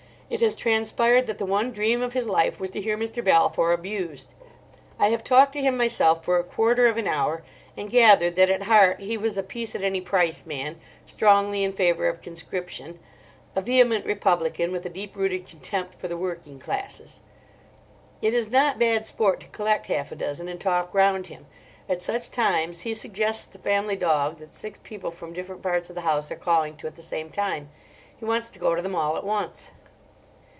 It has transpired that the one dream of his life was to hear Mr. Balfour abused. I have talked to him myself for a quarter of an hour, and gathered that at heart he was a peace at any price man, strongly in favour of Conscription, a vehement Republican, with a deep rooted contempt for the working classes. It is not bad sport to collect half a dozen and talk round him. At such times he suggests the family dog that six people from different parts of the house are calling to at the same time. He wants to go to them all at once.